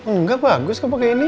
enggak bagus kau pake ini